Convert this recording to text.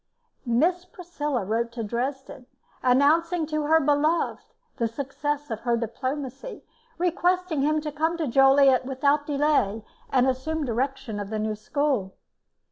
Miss Priscilla wrote to Dresden, announcing to her beloved the success of her diplomacy, requesting him to come to Joliet without delay, and assume direction of the new school.